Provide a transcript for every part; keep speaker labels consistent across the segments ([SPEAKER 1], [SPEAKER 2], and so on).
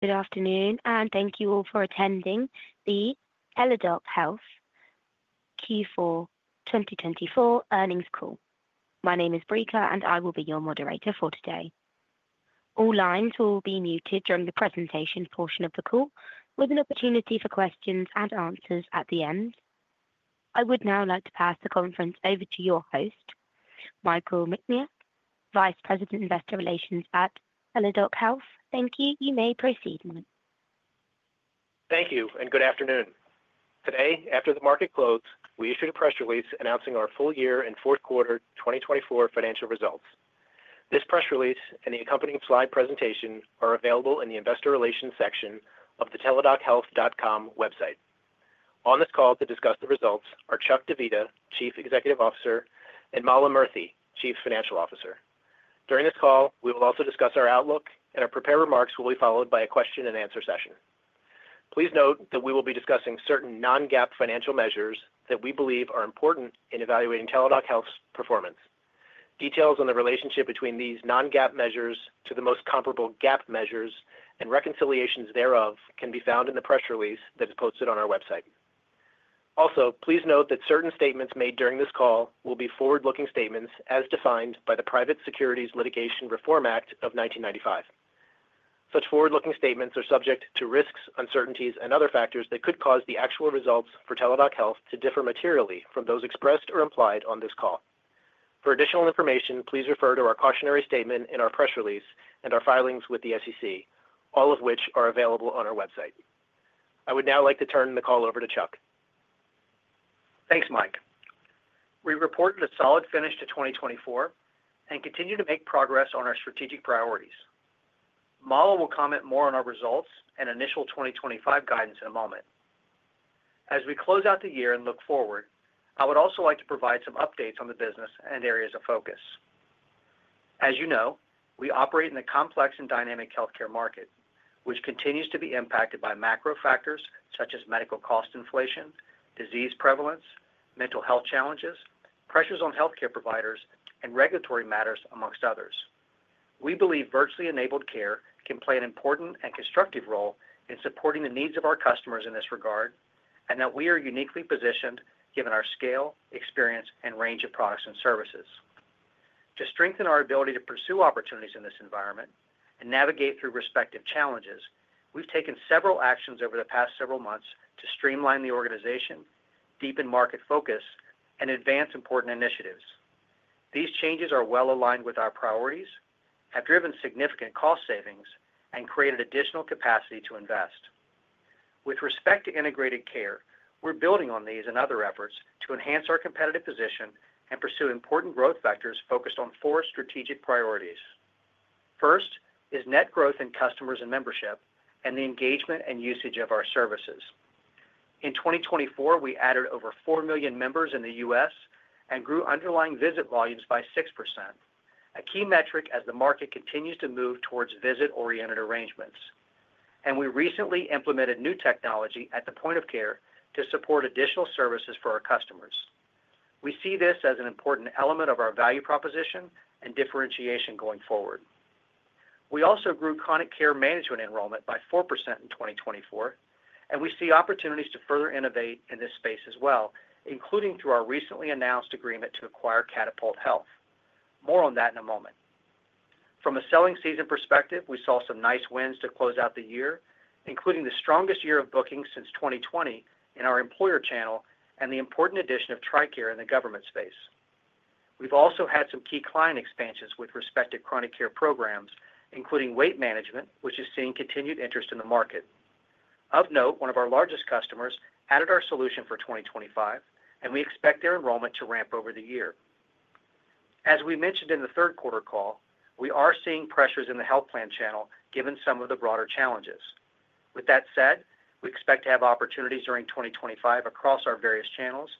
[SPEAKER 1] Good afternoon, and thank you all for attending the Teladoc Health Q4 2024 Earnings Call. My name is Brika, and I will be your moderator for today. All lines will be muted during the presentation portion of the call, with an opportunity for questions and answers at the end. I would now like to pass the conference over to your host, Michael Minchak, Vice President Investor Relations at Teladoc Health. Thank you. You may proceed.
[SPEAKER 2] Thank you, and good afternoon. Today, after the market closed, we issued a press release announcing our full year and fourth quarter 2024 financial results. This press release and the accompanying slide presentation are available in the Investor Relations section of the teladochealth.com website. On this call to discuss the results are Chuck Divita, Chief Executive Officer, and Mala Murthy, Chief Financial Officer. During this call, we will also discuss our outlook, and our prepared remarks will be followed by a question-and-answer session. Please note that we will be discussing certain non-GAAP financial measures that we believe are important in evaluating Teladoc Health's performance. Details on the relationship between these non-GAAP measures to the most comparable GAAP measures and reconciliations thereof can be found in the press release that is posted on our website. Also, please note that certain statements made during this call will be forward-looking statements as defined by the Private Securities Litigation Reform Act of 1995. Such forward-looking statements are subject to risks, uncertainties, and other factors that could cause the actual results for Teladoc Health to differ materially from those expressed or implied on this call. For additional information, please refer to our cautionary statement in our press release and our filings with the SEC, all of which are available on our website. I would now like to turn the call over to Chuck.
[SPEAKER 3] Thanks, Mike. We reported a solid finish to 2024 and continue to make progress on our strategic priorities. Mala will comment more on our results and initial 2025 guidance in a moment. As we close out the year and look forward, I would also like to provide some updates on the business and areas of focus. As you know, we operate in a complex and dynamic healthcare market, which continues to be impacted by macro factors such as medical cost inflation, disease prevalence, mental health challenges, pressures on healthcare providers, and regulatory matters, amongst others. We believe virtually enabled care can play an important and constructive role in supporting the needs of our customers in this regard, and that we are uniquely positioned given our scale, experience, and range of products and services. To strengthen our ability to pursue opportunities in this environment and navigate through respective challenges, we've taken several actions over the past several months to streamline the organization, deepen market focus, and advance important initiatives. These changes are well aligned with our priorities, have driven significant cost savings, and created additional capacity to invest. With respect to Integrated Care, we're building on these and other efforts to enhance our competitive position and pursue important growth vectors focused on four strategic priorities. First is net growth in customers and membership and the engagement and usage of our services. In 2024, we added over 4 million members in the U.S. and grew underlying visit volumes by 6%, a key metric as the market continues to move towards visit-oriented arrangements. We recently implemented new technology at the point of care to support additional services for our customers. We see this as an important element of our value proposition and differentiation going forward. We also grew Chronic Care Management enrollment by 4% in 2024, and we see opportunities to further innovate in this space as well, including through our recently announced agreement to acquire Catapult Health. More on that in a moment. From a selling season perspective, we saw some nice wins to close out the year, including the strongest year of bookings since 2020 in our employer channel and the important addition of TRICARE in the government space. We've also had some key client expansions with respect to chronic care programs, including weight management, which is seeing continued interest in the market. Of note, one of our largest customers added our solution for 2025, and we expect their enrollment to ramp over the year. As we mentioned in the third quarter call, we are seeing pressures in the health plan channel given some of the broader challenges. With that said, we expect to have opportunities during 2025 across our various channels,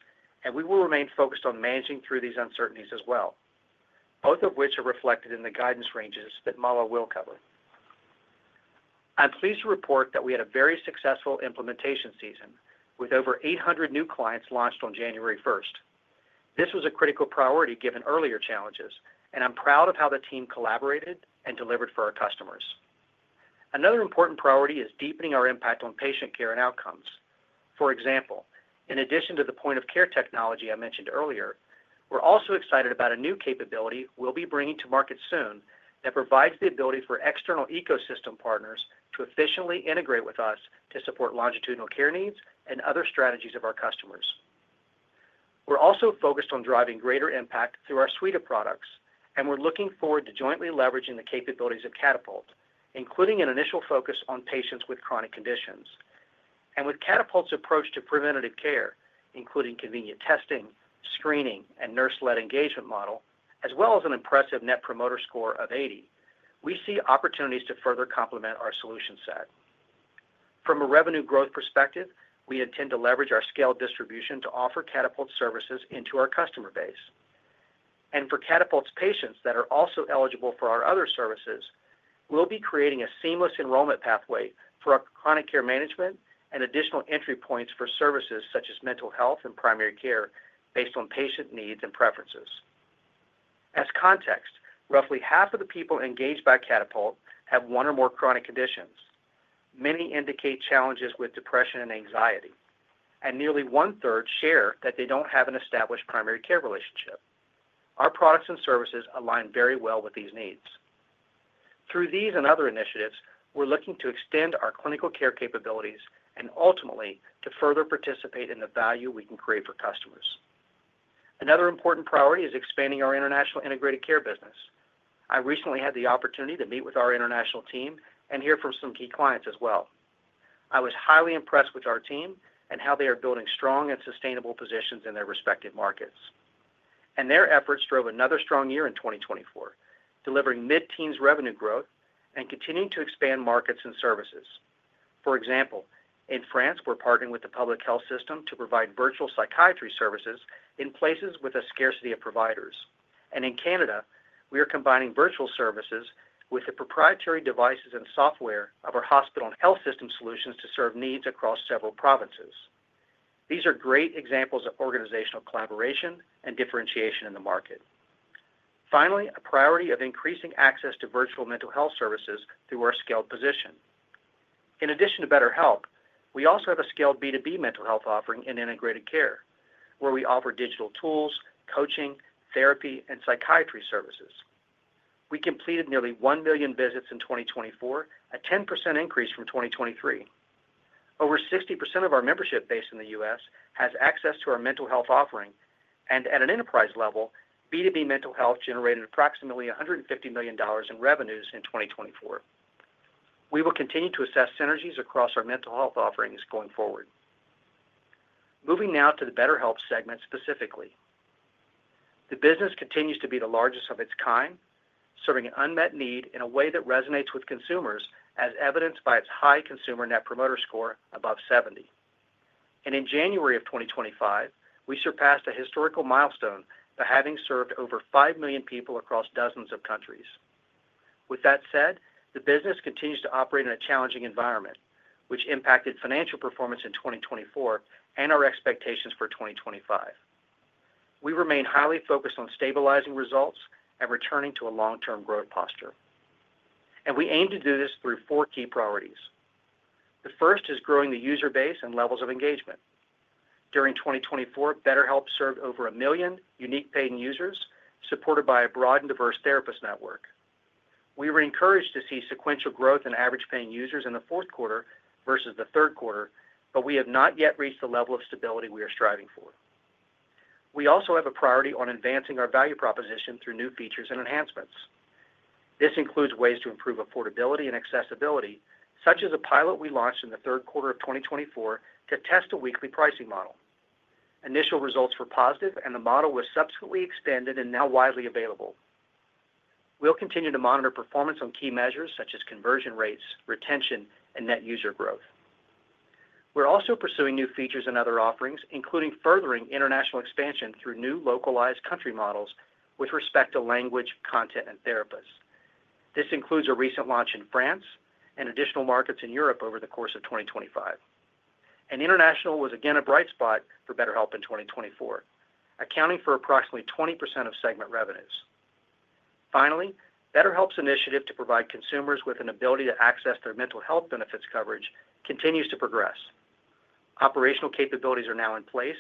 [SPEAKER 3] and we will remain focused on managing through these uncertainties as well, both of which are reflected in the guidance ranges that Mala will cover. I'm pleased to report that we had a very successful implementation season, with over 800 new clients launched on January 1st. This was a critical priority given earlier challenges, and I'm proud of how the team collaborated and delivered for our customers. Another important priority is deepening our impact on patient care and outcomes. For example, in addition to the point of care technology I mentioned earlier, we're also excited about a new capability we'll be bringing to market soon that provides the ability for external ecosystem partners to efficiently integrate with us to support longitudinal care needs and other strategies of our customers. We're also focused on driving greater impact through our suite of products, and we're looking forward to jointly leveraging the capabilities of Catapult, including an initial focus on patients with chronic conditions. With Catapult's approach to preventative care, including convenient testing, screening, and nurse-led engagement model, as well as an impressive Net Promoter Score of 80, we see opportunities to further complement our solution set. From a revenue growth perspective, we intend to leverage our scaled distribution to offer Catapult services into our customer base. For Catapult's patients that are also eligible for our other services, we'll be creating a seamless enrollment pathway for our Chronic Care Management and additional entry points for services such as mental health and primary care based on patient needs and preferences. As context, roughly half of the people engaged by Catapult have one or more chronic conditions. Many indicate challenges with depression and anxiety, and nearly one-third share that they don't have an established primary care relationship. Our products and services align very well with these needs. Through these and other initiatives, we're looking to extend our clinical care capabilities and ultimately to further participate in the value we can create for customers. Another important priority is expanding our International Integrated Care business. I recently had the opportunity to meet with our international team and hear from some key clients as well. I was highly impressed with our team and how they are building strong and sustainable positions in their respective markets, and their efforts drove another strong year in 2024, delivering mid-teens revenue growth and continuing to expand markets and services. For example, in France, we're partnering with the public health system to provide virtual psychiatry services in places with a scarcity of providers, and in Canada, we are combining virtual services with the proprietary devices and software of our hospital and health system solutions to serve needs across several provinces. These are great examples of organizational collaboration and differentiation in the market. Finally, a priority of increasing access to virtual mental health services through our scaled position. In addition to BetterHelp, we also have a scaled B2B mental health offering in Integrated Care, where we offer digital tools, coaching, therapy, and psychiatry services. We completed nearly one million visits in 2024, a 10% increase from 2023. Over 60% of our membership base in the U.S. has access to our mental health offering, and at an enterprise level, B2B mental health generated approximately $150 million in revenues in 2024. We will continue to assess synergies across our mental health offerings going forward. Moving now to the BetterHelp segment specifically. The business continues to be the largest of its kind, serving an unmet need in a way that resonates with consumers, as evidenced by its high consumer Net Promoter Score above 70. And in January of 2025, we surpassed a historical milestone by having served over five million people across dozens of countries. With that said, the business continues to operate in a challenging environment, which impacted financial performance in 2024 and our expectations for 2025. We remain highly focused on stabilizing results and returning to a long-term growth posture, and we aim to do this through four key priorities. The first is growing the user base and levels of engagement. During 2024, BetterHelp served over a million unique paying users, supported by a broad and diverse therapist network. We were encouraged to see sequential growth in average paying users in the fourth quarter versus the third quarter, but we have not yet reached the level of stability we are striving for. We also have a priority on advancing our value proposition through new features and enhancements. This includes ways to improve affordability and accessibility, such as a pilot we launched in the third quarter of 2024 to test a weekly pricing model. Initial results were positive, and the model was subsequently expanded and now widely available. We'll continue to monitor performance on key measures such as conversion rates, retention, and net user growth. We're also pursuing new features and other offerings, including furthering international expansion through new localized country models with respect to language, content, and therapists. This includes a recent launch in France and additional markets in Europe over the course of 2025, and international was again a bright spot for BetterHelp in 2024, accounting for approximately 20% of segment revenues. Finally, BetterHelp's initiative to provide consumers with an ability to access their mental health benefits coverage continues to progress. Operational capabilities are now in place,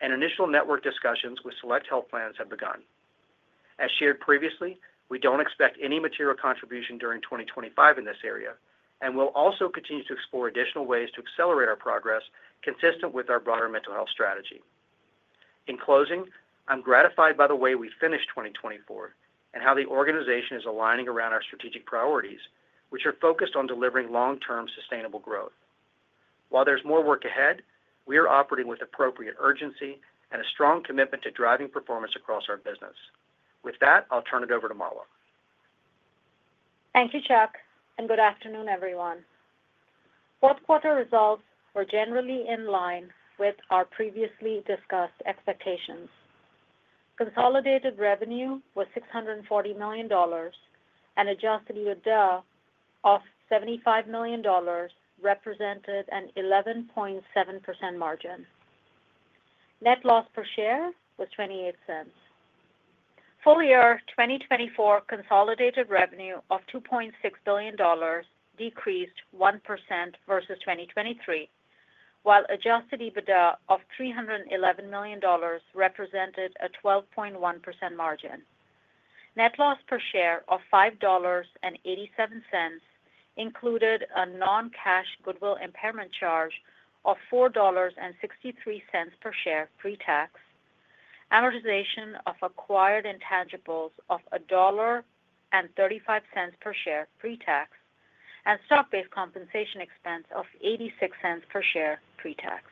[SPEAKER 3] and initial network discussions with select health plans have begun. As shared previously, we don't expect any material contribution during 2025 in this area, and we'll also continue to explore additional ways to accelerate our progress consistent with our broader mental health strategy. In closing, I'm gratified by the way we finished 2024 and how the organization is aligning around our strategic priorities, which are focused on delivering long-term sustainable growth. While there's more work ahead, we are operating with appropriate urgency and a strong commitment to driving performance across our business. With that, I'll turn it over to Mala.
[SPEAKER 4] Thank you, Chuck, and good afternoon, everyone. Fourth quarter results were generally in line with our previously discussed expectations. Consolidated revenue was $640 million, and Adjusted EBITDA of $75 million represented an 11.7% margin. Net loss per share was $0.28. Full year 2024 consolidated revenue of $2.6 billion decreased 1% versus 2023, while Adjusted EBITDA of $311 million represented a 12.1% margin. Net loss per share of $5.87 included a non-cash goodwill impairment charge of $4.63 per share pre-tax, amortization of acquired intangibles of $1.35 per share pre-tax, and stock-based compensation expense of $0.86 per share pre-tax.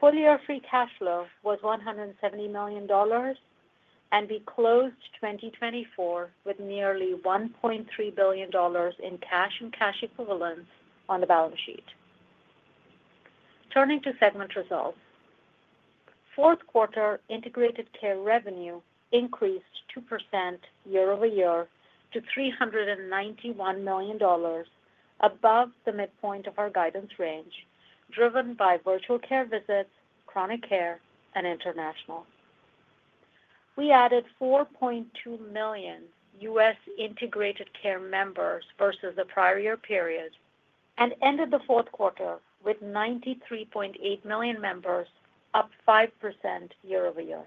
[SPEAKER 4] Full year Free Cash Flow was $170 million, and we closed 2024 with nearly $1.3 billion in cash and cash equivalents on the balance sheet. Turning to segment results, fourth quarter Integrated Care revenue increased 2% year over year to $391 million, above the midpoint of our guidance range, driven by virtual care visits, chronic care, and international. We added 4.2 million Integrated Care members versus the prior year period and ended the fourth quarter with 93.8 million members, up 5% year over year.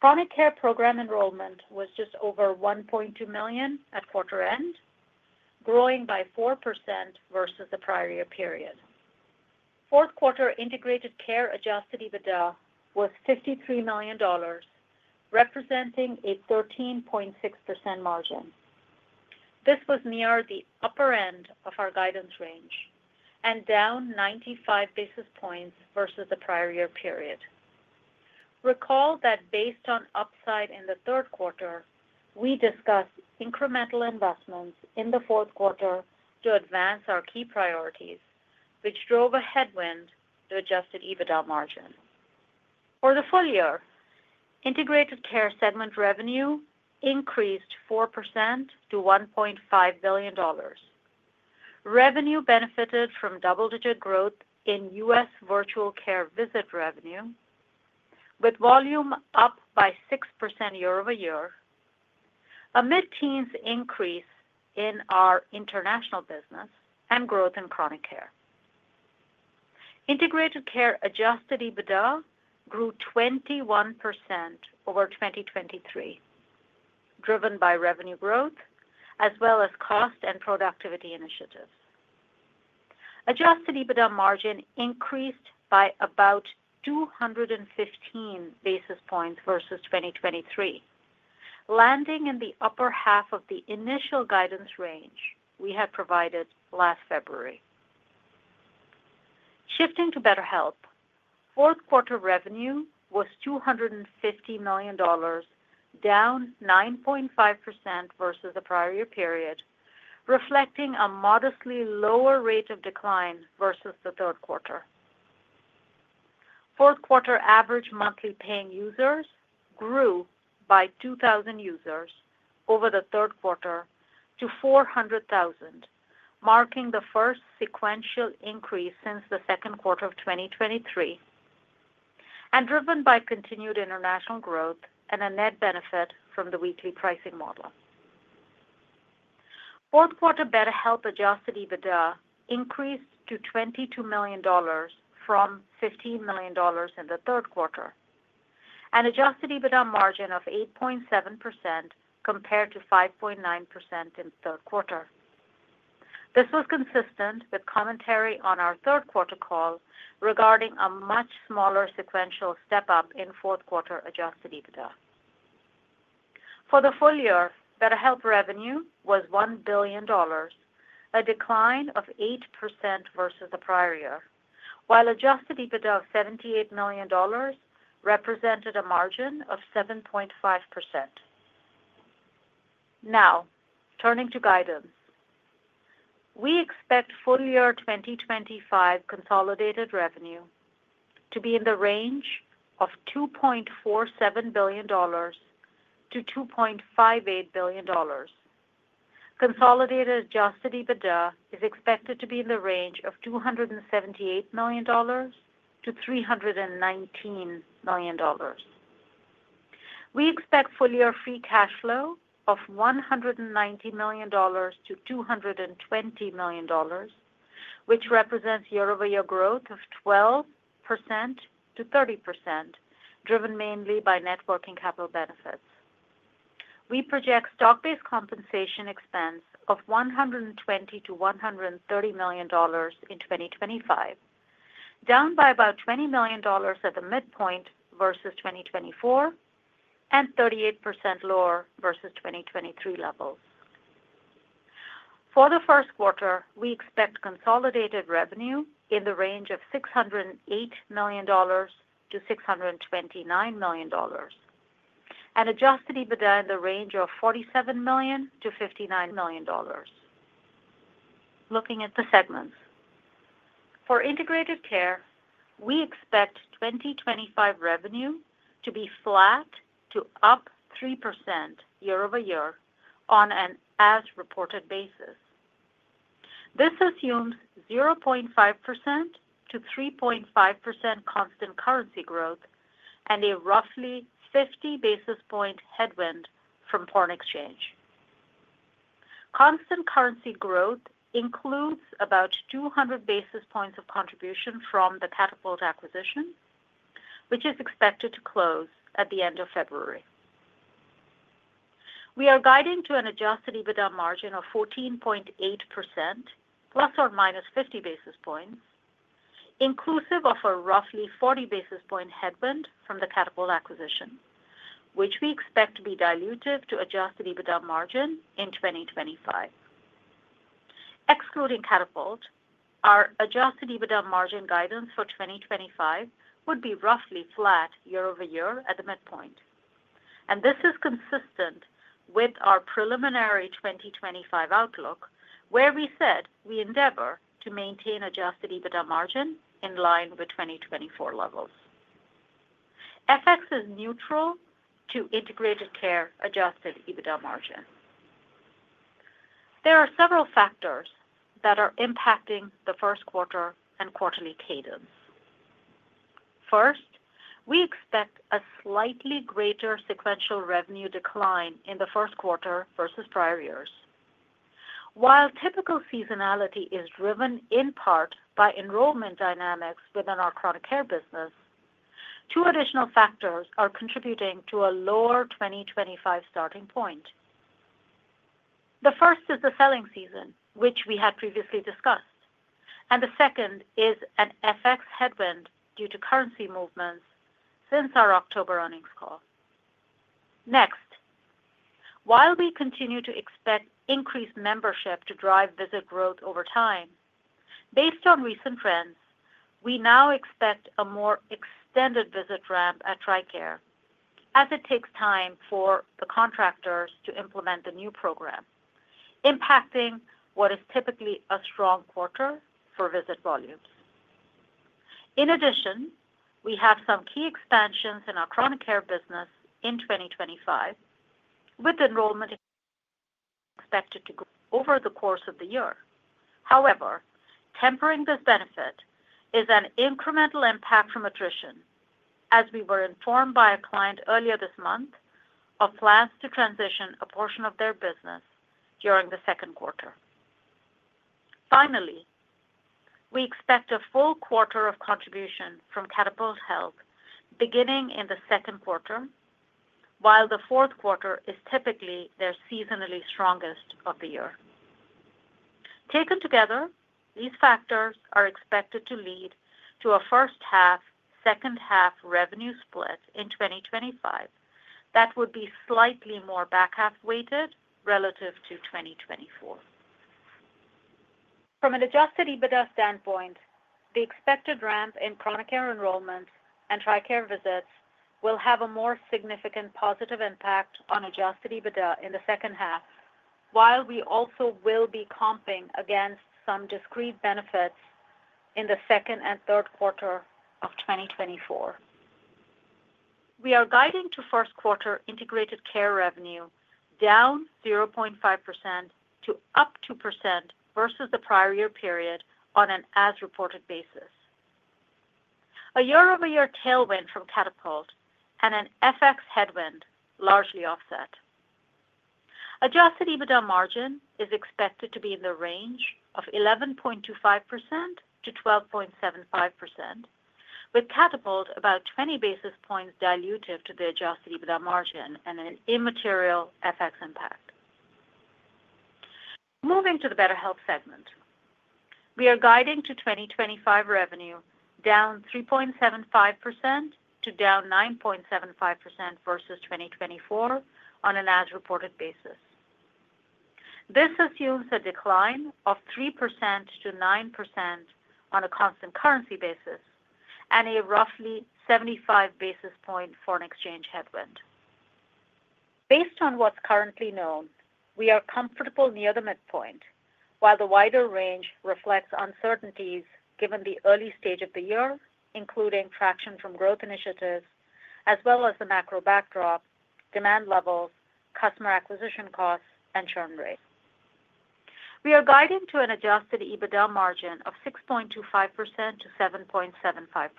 [SPEAKER 4] Chronic care program enrollment was just over 1.2 million at quarter end, growing by 4% versus the prior year period. Fourth Integrated Care Adjusted EBITDA was $53 million, representing a 13.6% margin. This was near the upper end of our guidance range and down 95 basis points versus the prior year period. Recall that based on upside in the third quarter, we discussed incremental investments in the fourth quarter to advance our key priorities, which drove a headwind to Adjusted EBITDA margin. For the full year, Integrated Care segment revenue increased 4% to $1.5 billion. Revenue benefited from double-digit growth in U.S. virtual care visit revenue, with volume up by 6% year over year, a mid-teens increase in our international business, and growth in Chronic Care. Integrated Care Adjusted EBITDA grew 21% over 2023, driven by revenue growth as well as cost and productivity initiatives. Adjusted EBITDA margin increased by about 215 basis points versus 2023, landing in the upper half of the initial guidance range we had provided last February. Shifting to BetterHelp, fourth quarter revenue was $250 million, down 9.5% versus the prior year period, reflecting a modestly lower rate of decline versus the third quarter. Fourth quarter Average Monthly Paying Users grew by 2,000 users over the third quarter to 400,000, marking the first sequential increase since the second quarter of 2023, and driven by continued international growth and a net benefit from the weekly pricing model. Fourth quarter BetterHelp Adjusted EBITDA increased to $22 million from $15 million in the third quarter, and Adjusted EBITDA margin of 8.7% compared to 5.9% in the third quarter. This was consistent with commentary on our third quarter call regarding a much smaller sequential step-up in fourth quarter Adjusted EBITDA. For the full year, BetterHelp revenue was $1 billion, a decline of 8% versus the prior year, while Adjusted EBITDA of $78 million represented a margin of 7.5%. Now, turning to guidance, we expect full year 2025 consolidated revenue to be in the range of $2.47 billion to $2.58 billion. Consolidated Adjusted EBITDA is expected to be in the range of $278 million-$319 million. We expect full year Free Cash Flow of $190 million-$220 million, which represents year-over-year growth of 12%-30%, driven mainly by net working capital benefits. We project stock-based compensation expense of $120-$130 million in 2025, down by about $20 million at the midpoint versus 2024, and 38% lower versus 2023 levels. For the first quarter, we expect consolidated revenue in the range of $608 million-$629 million, and adjusted EBITDA in the range of $47 million-$59 million. Looking at the segments, Integrated Care, we expect 2025 revenue to be flat to up 3% year over year on an as-reported basis. This assumes 0.5%-3.5% constant currency growth and a roughly 50 basis points headwind from foreign exchange. Constant currency growth includes about 200 basis points of contribution from the Catapult acquisition, which is expected to close at the end of February. We are guiding to an Adjusted EBITDA margin of 14.8%, plus or minus 50 basis points, inclusive of a roughly 40 basis point headwind from the Catapult acquisition, which we expect to be dilutive to Adjusted EBITDA margin in 2025. Excluding Catapult, our Adjusted EBITDA margin guidance for 2025 would be roughly flat year over year at the midpoint. This is consistent with our preliminary 2025 outlook, where we said we endeavor to maintain Adjusted EBITDA margin in line with 2024 levels. FX is neutral to Integrated Care Adjusted EBITDA margin. There are several factors that are impacting the first quarter and quarterly cadence. First, we expect a slightly greater sequential revenue decline in the first quarter versus prior years. While typical seasonality is driven in part by enrollment dynamics within our chronic care business, two additional factors are contributing to a lower 2025 starting point. The first is the selling season, which we had previously discussed, and the second is an FX headwind due to currency movements since our October earnings call. Next, while we continue to expect increased membership to drive visit growth over time, based on recent trends, we now expect a more extended visit ramp at TRICARE, as it takes time for the contractors to implement the new program, impacting what is typically a strong quarter for visit volumes. In addition, we have some key expansions in our chronic care business in 2025, with enrollment expected to grow over the course of the year. However, tempering this benefit is an incremental impact from attrition, as we were informed by a client earlier this month of plans to transition a portion of their business during the second quarter. Finally, we expect a full quarter of contribution from Catapult Health beginning in the second quarter, while the fourth quarter is typically their seasonally strongest of the year. Taken together, these factors are expected to lead to a first half, second half revenue split in 2025 that would be slightly more back half weighted relative to 2024. From an Adjusted EBITDA standpoint, the expected ramp in chronic care enrollments and TRICARE visits will have a more significant positive impact on Adjusted EBITDA in the second half, while we also will be comping against some discrete benefits in the second and third quarter of 2024. We are guiding to first quarter Integrated Care revenue down 0.5% to up 2% versus the prior year period on an as-reported basis. A year-over-year tailwind from Catapult and an FX headwind largely offset. Adjusted EBITDA margin is expected to be in the range of 11.25%-12.75%, with Catapult about 20 basis points dilutive to the Adjusted EBITDA margin and an immaterial FX impact. Moving to the BetterHelp segment, we are guiding to 2025 revenue down 3.75% to down 9.75% versus 2024 on an as-reported basis. This assumes a decline of 3%-9% on a constant currency basis and a roughly 75 basis points foreign exchange headwind. Based on what's currently known, we are comfortable near the midpoint, while the wider range reflects uncertainties given the early stage of the year, including traction from growth initiatives, as well as the macro backdrop, demand levels, customer acquisition costs, and churn rate. We are guiding to an Adjusted EBITDA margin of 6.25%-7.75%.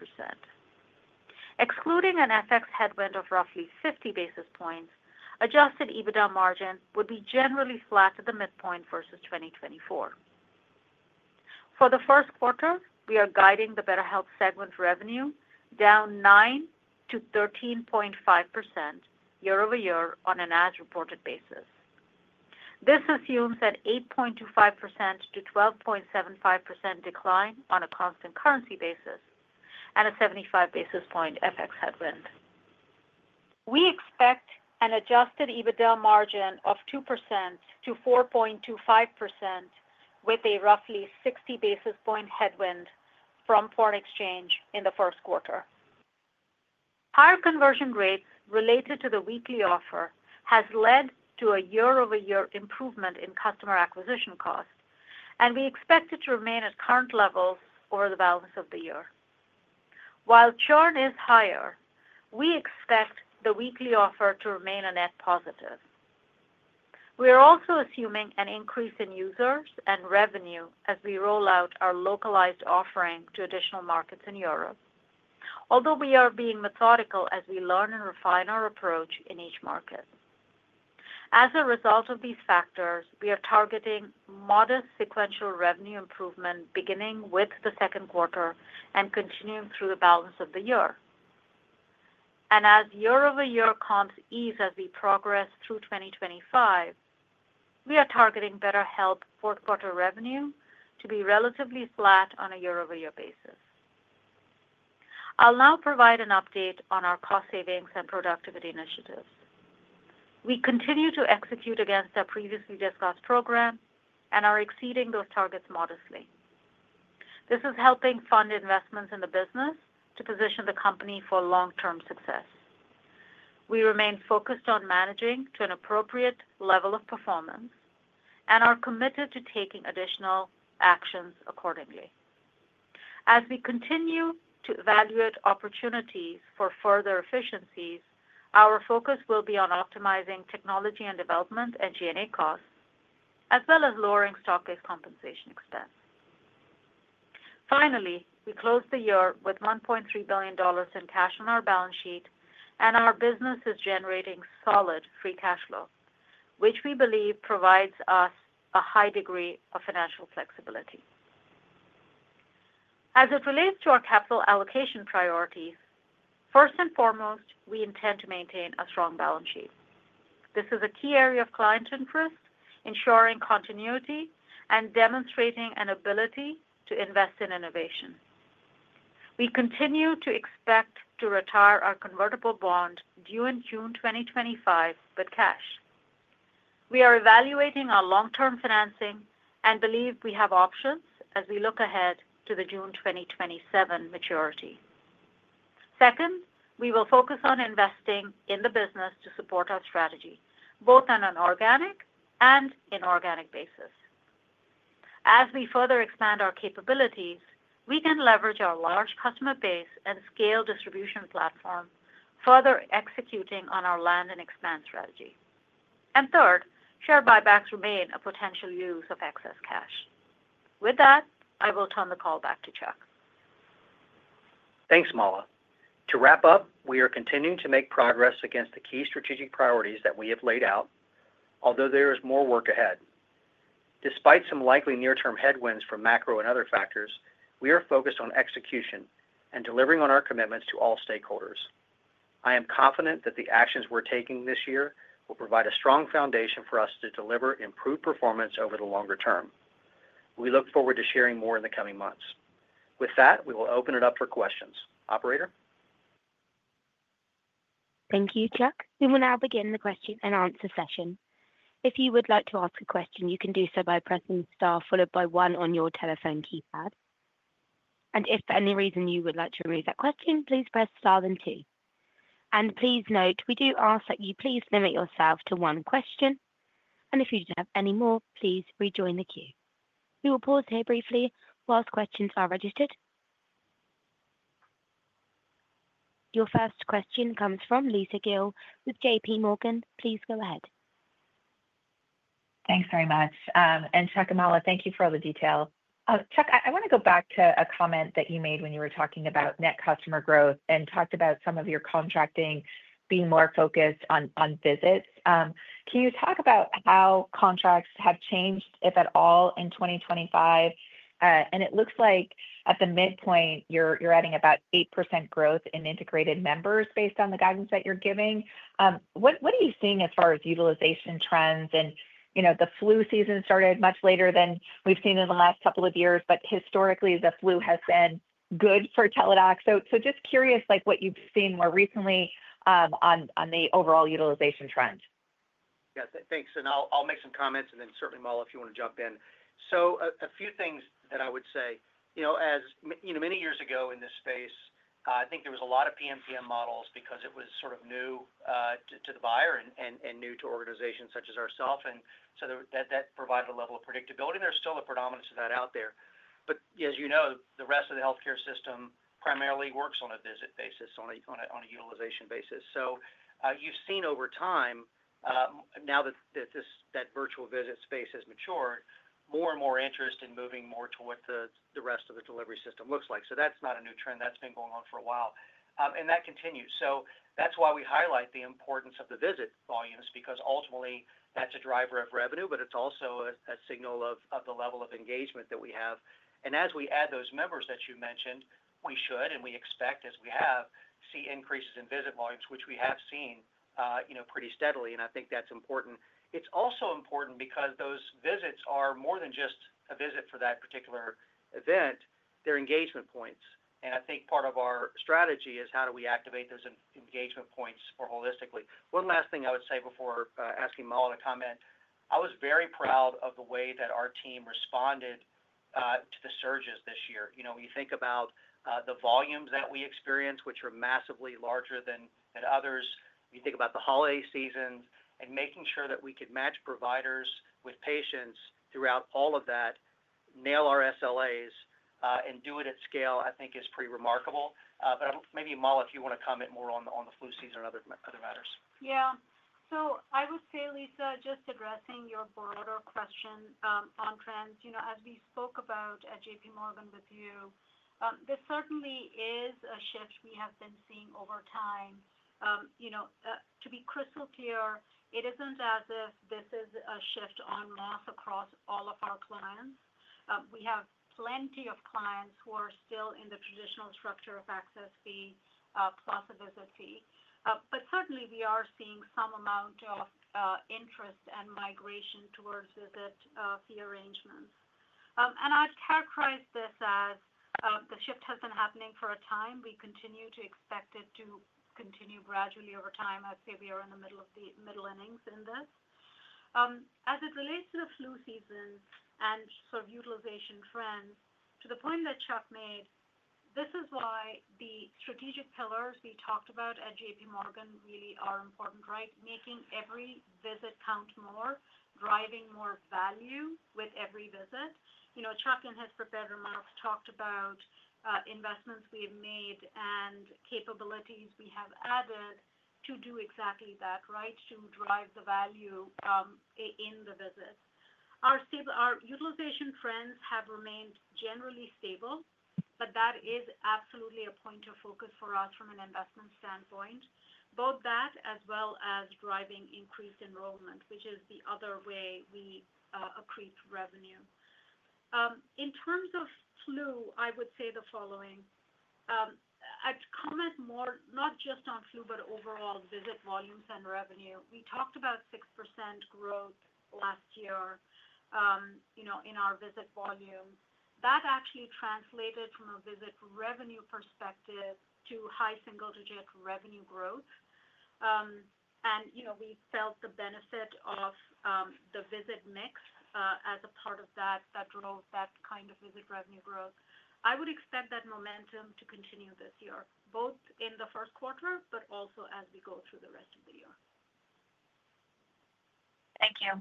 [SPEAKER 4] Excluding an FX headwind of roughly 50 basis points, Adjusted EBITDA margin would be generally flat at the midpoint versus 2024. For the first quarter, we are guiding the BetterHelp segment revenue down 9%-13.5% year over year on an as-reported basis. This assumes an 8.25%-12.75% decline on a constant currency basis and a 75 basis point FX headwind. We expect an Adjusted EBITDA margin of 2%-4.25% with a roughly 60 basis point headwind from foreign exchange in the first quarter. Higher conversion rates related to the weekly offer has led to a year-over-year improvement in customer acquisition cost, and we expect it to remain at current levels over the balance of the year. While churn is higher, we expect the weekly offer to remain a net positive. We are also assuming an increase in users and revenue as we roll out our localized offering to additional markets in Europe, although we are being methodical as we learn and refine our approach in each market. As a result of these factors, we are targeting modest sequential revenue improvement beginning with the second quarter and continuing through the balance of the year. And as year-over-year comps ease as we progress through 2025, we are targeting BetterHelp fourth quarter revenue to be relatively flat on a year-over-year basis. I'll now provide an update on our cost savings and productivity initiatives. We continue to execute against our previously discussed program and are exceeding those targets modestly. This is helping fund investments in the business to position the company for long-term success. We remain focused on managing to an appropriate level of performance and are committed to taking additional actions accordingly. As we continue to evaluate opportunities for further efficiencies, our focus will be on optimizing technology and development and G&A costs, as well as lowering stock-based compensation expense. Finally, we close the year with $1.3 billion in cash on our balance sheet, and our business is generating solid Free Cash Flow, which we believe provides us a high degree of financial flexibility. As it relates to our capital allocation priorities, first and foremost, we intend to maintain a strong balance sheet. This is a key area of client interest, ensuring continuity and demonstrating an ability to invest in innovation. We continue to expect to retire our convertible bond due in June 2025 with cash. We are evaluating our long-term financing and believe we have options as we look ahead to the June 2027 maturity. Second, we will focus on investing in the business to support our strategy, both on an organic and inorganic basis. As we further expand our capabilities, we can leverage our large customer base and scale distribution platform, further executing on our land and expand strategy. And third, share buybacks remain a potential use of excess cash. With that, I will turn the call back to Chuck. Thanks, Mala. To wrap up, we are continuing to make progress against the key strategic priorities that we have laid out, although there is more work ahead. Despite some likely near-term headwinds from macro and other factors, we are focused on execution and delivering on our commitments to all stakeholders. I am confident that the actions we're taking this year will provide a strong foundation for us to deliver improved performance over the longer term. We look forward to sharing more in the coming months. With that, we will open it up for questions. Operator?
[SPEAKER 1] Thank you, Chuck. We will now begin the question-and-answer session. If you would like to ask a question, you can do so by pressing star followed by one on your telephone keypad. And if for any reason you would like to remove that question, please press star then two. And please note, we do ask that you please limit yourself to one question. And if you don't have any more, please rejoin the queue. We will pause here briefly while questions are registered. Your first question comes from Lisa Gill with J.P. Morgan. Please go ahead.
[SPEAKER 5] Thanks very much. And Chuck and Mala, thank you for all the detail. Chuck, I want to go back to a comment that you made when you were talking about net customer growth and talked about some of your contracting being more focused on visits. Can you talk about how contracts have changed, if at all, in 2025? And it looks like at the midpoint, you're adding about eight% growth in integrated members based on the guidance that you're giving. What are you seeing as far as utilization trends? And the flu season started much later than we've seen in the last couple of years, but historically, the flu has been good for Teladoc. So just curious what you've seen more recently on the overall utilization trend.
[SPEAKER 3] Yeah, thanks. And I'll make some comments, and then certainly, Mala, if you want to jump in. So a few things that I would say. As many years ago in this space, I think there was a lot of PMPM models because it was sort of new to the buyer and new to organizations such as ourselves. And so that provided a level of predictability. There's still a predominance of that out there. But as you know, the rest of the healthcare system primarily works on a visit basis, on a utilization basis. So you've seen over time, now that that virtual visit space has matured, more and more interest in moving more to what the rest of the delivery system looks like. So that's not a new trend. That's been going on for a while. And that continues. So that's why we highlight the importance of the visit volumes, because ultimately, that's a driver of revenue, but it's also a signal of the level of engagement that we have. And as we add those members that you mentioned, we should, and we expect, as we have, see increases in visit volumes, which we have seen pretty steadily. And I think that's important. It's also important because those visits are more than just a visit for that particular event. They're engagement points. And I think part of our strategy is how do we activate those engagement points more holistically. One last thing I would say before asking Mala to comment, I was very proud of the way that our team responded to the surges this year. When you think about the volumes that we experience, which are massively larger than others, you think about the holiday seasons and making sure that we could match providers with patients throughout all of that, nail our SLAs, and do it at scale, I think is pretty remarkable. But maybe, Mala, if you want to comment more on the flu season and other matters.
[SPEAKER 4] Yeah. So I would say, Lisa, just addressing your broader question on trends. As we spoke about at J.P. Morgan with you, this certainly is a shift we have been seeing over time. To be crystal clear, it isn't as if this is a shift en masse across all of our clients. We have plenty of clients who are still in the traditional structure of access fee plus a visit fee. But certainly, we are seeing some amount of interest and migration towards visit fee arrangements. And I'd characterize this as the shift has been happening for a time. We continue to expect it to continue gradually over time. I'd say we are in the middle of the middle innings in this. As it relates to the flu season and sort of utilization trends, to the point that Chuck made, this is why the strategic pillars we talked about at J.P. Morgan really are important, right? Making every visit count more, driving more value with every visit. Chuck and his prepared remarks talked about investments we have made and capabilities we have added to do exactly that, right? To drive the value in the visit. Our utilization trends have remained generally stable, but that is absolutely a point of focus for us from an investment standpoint, both that as well as driving increased enrollment, which is the other way we accrete revenue. In terms of flu, I would say the following. I'd comment more not just on flu, but overall visit volumes and revenue. We talked about 6% growth last year in our visit volumes. That actually translated from a visit revenue perspective to high single-digit revenue growth. And we felt the benefit of the visit mix as a part of that that drove that kind of visit revenue growth. I would expect that momentum to continue this year, both in the first quarter, but also as we go through the rest of the year.
[SPEAKER 5] Thank you.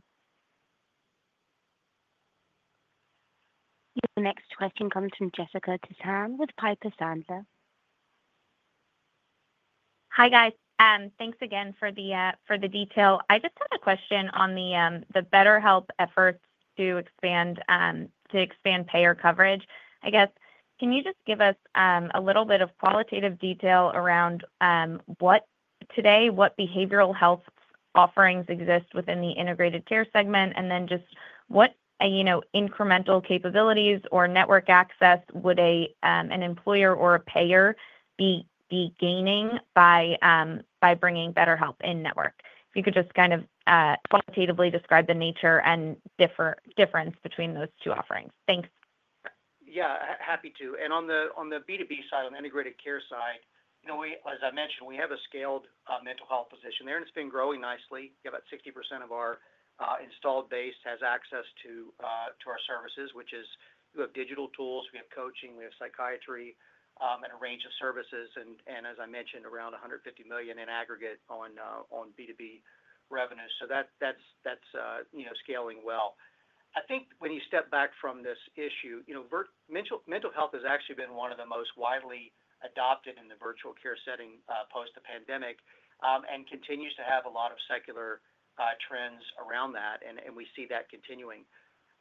[SPEAKER 1] The next question comes from Jessica Tassan with Piper Sandler.
[SPEAKER 6] Hi, guys. Thanks again for the detail. I just had a question on the BetterHelp efforts to expand payer coverage. I guess, can you just give us a little bit of qualitative detail around today what behavioral health offerings exist within the Integrated Care segment, and then just what incremental capabilities or network access would an employer or a payer be gaining by bringing BetterHelp in network? If you could just kind of qualitatively describe the nature and difference between those two offerings? Thanks.
[SPEAKER 3] Yeah, happy to. And on the B2B side, on the Integrated Care side, as I mentioned, we have a scaled mental health position there, and it's been growing nicely. About 60% of our installed base has access to our services, which is, we have digital tools, we have coaching, we have psychiatry, and a range of services. And as I mentioned, around $150 million in aggregate on B2B revenue. So that's scaling well. I think when you step back from this issue, mental health has actually been one of the most widely adopted in the virtual care setting post the pandemic and continues to have a lot of secular trends around that, and we see that continuing.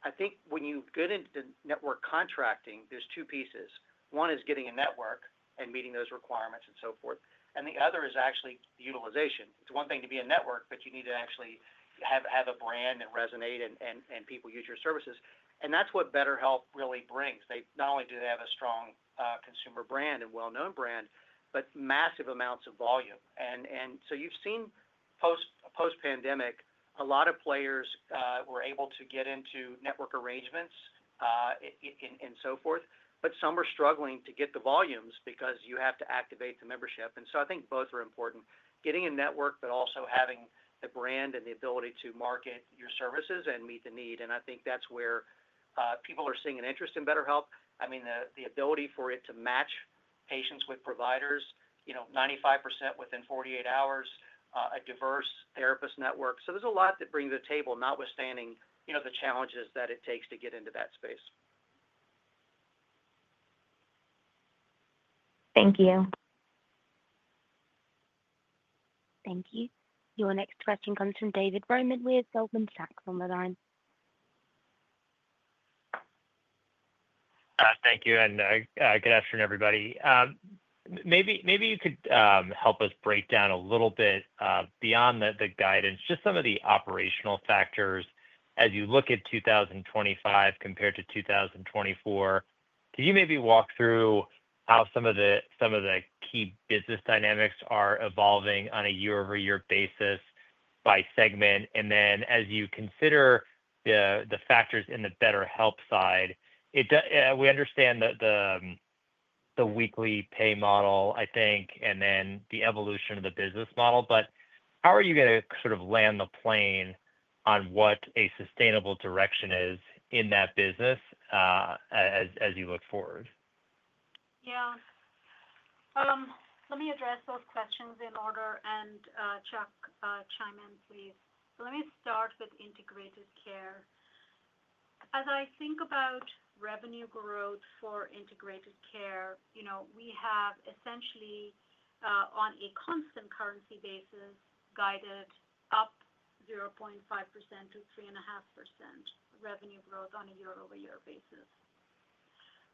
[SPEAKER 3] I think when you get into network contracting, there's two pieces. One is getting a network and meeting those requirements and so forth. And the other is actually utilization. It's one thing to be in network, but you need to actually have a brand that resonates and people use your services. And that's what BetterHelp really brings. Not only do they have a strong consumer brand and well-known brand, but massive amounts of volume. And so you've seen post-pandemic, a lot of players were able to get into network arrangements and so forth, but some were struggling to get the volumes because you have to activate the membership. And so I think both are important. Getting a network, but also having the brand and the ability to market your services and meet the need. And I think that's where people are seeing an interest in BetterHelp. I mean, the ability for it to match patients with providers, 95% within 48 hours, a diverse therapist network. So there's a lot that brings to the table, notwithstanding the challenges that it takes to get into that space.
[SPEAKER 6] Thank you.
[SPEAKER 1] Thank you. Your next question comes from David Roman with Goldman Sachs on the line.
[SPEAKER 7] Thank you. And good afternoon, everybody. Maybe you could help us break down a little bit beyond the guidance, just some of the operational factors as you look at 2025 compared to 2024. Can you maybe walk through how some of the key business dynamics are evolving on a year-over-year basis by segment, and then as you consider the factors in the BetterHelp side, we understand the weekly pay model, I think, and then the evolution of the business model. But how are you going to sort of land the plane on what a sustainable direction is in that business as you look forward?
[SPEAKER 4] Yeah. Let me address those questions in order, and Chuck, chime in, please, so let me start with Integrated Care. As I think about revenue growth for Integrated Care, we have essentially on a constant currency basis guided up 0.5%-3.5% revenue growth on a year-over-year basis.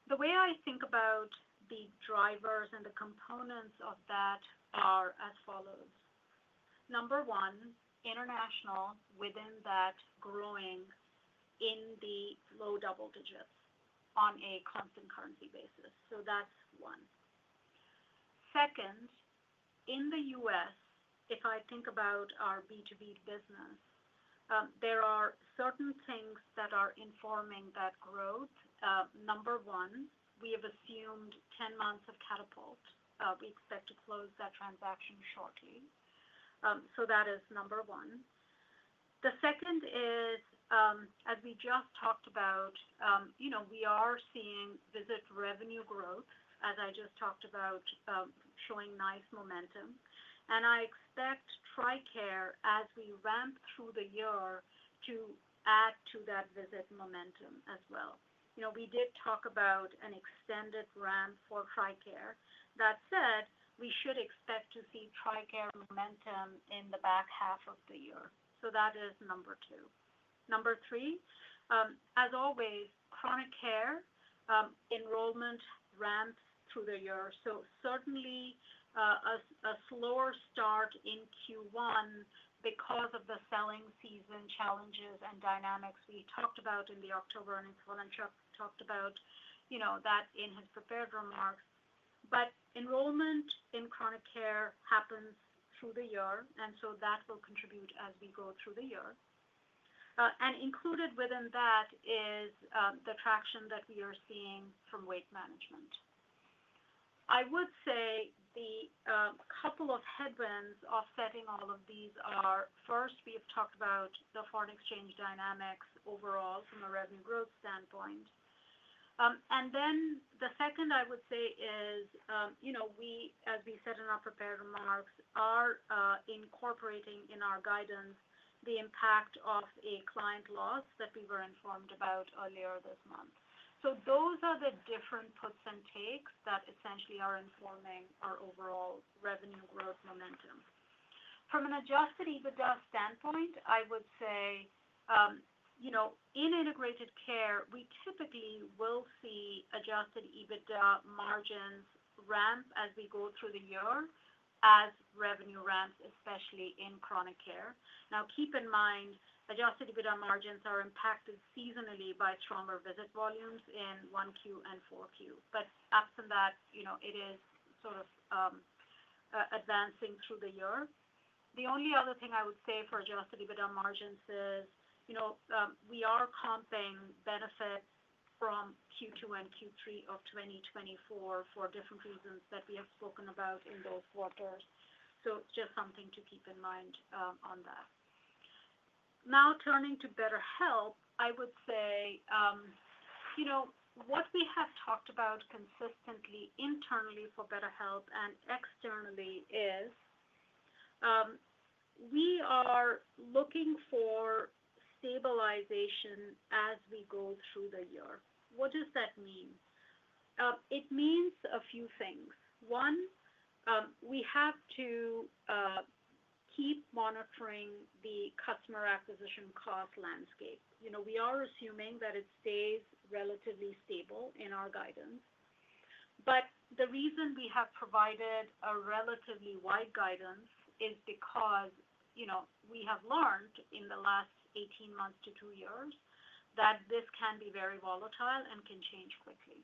[SPEAKER 4] The way I think about the drivers and the components of that are as follows. Number one, international within that growing in the low double digits on a constant currency basis. So that's one. Second, in the U.S., if I think about our B2B business, there are certain things that are informing that growth. Number one, we have assumed 10 months of catapult. We expect to close that transaction shortly. So that is number one. The second is, as we just talked about, we are seeing visit revenue growth, as I just talked about, showing nice momentum. And I expect TRICARE, as we ramp through the year, to add to that visit momentum as well. We did talk about an extended ramp for TRICARE. That said, we should expect to see TRICARE momentum in the back half of the year. So that is number two. Number three, as always, chronic care, enrollment ramps through the year. So certainly a slower start in Q1 because of the selling season challenges and dynamics we talked about in October, and as Alan and Chuck talked about that in his prepared remarks. But enrollment in chronic care happens through the year, and so that will contribute as we go through the year. And included within that is the traction that we are seeing from weight management. I would say the couple of headwinds offsetting all of these are, first, we have talked about the foreign exchange dynamics overall from a revenue growth standpoint. And then the second, I would say, is we, as we said in our prepared remarks, are incorporating in our guidance the impact of a client loss that we were informed about earlier this month. Those are the different percentages that essentially are informing our overall revenue growth momentum. From an Adjusted EBITDA standpoint, I would say in Integrated Care, we typically will see Adjusted EBITDA margins ramp as we go through the year as revenue ramps, especially in Chronic Care. Now, keep in mind, Adjusted EBITDA margins are impacted seasonally by stronger visit volumes in 1Q and 4Q. But absent that, it is sort of advancing through the year. The only other thing I would say for Adjusted EBITDA margins is we are comping benefits from Q2 and Q3 of 2024 for different reasons that we have spoken about in those quarters. So just something to keep in mind on that. Now, turning to BetterHelp, I would say what we have talked about consistently internally for BetterHelp and externally is we are looking for stabilization as we go through the year. What does that mean? It means a few things. One, we have to keep monitoring the customer acquisition cost landscape. We are assuming that it stays relatively stable in our guidance. But the reason we have provided a relatively wide guidance is because we have learned in the last 18 months to two years that this can be very volatile and can change quickly.